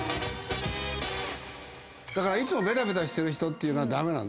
だからいつもベタベタしてる人っていうのは駄目なの。